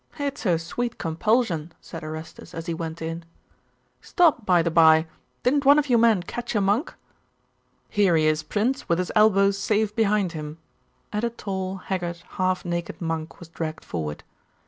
'It is a sweet compulsion,' said Orestes, as he went in. 'Stop, by the bye! Didn't one of you men catch a monk.?' 'Here he is, prince, with his elbows safe behind him.' And a tall, haggard, half naked monk was dragged forward.